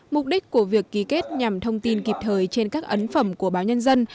mục đích của việc ký kết nhằm thông tin kịp thời trên các ấn phẩm của báo nhân dân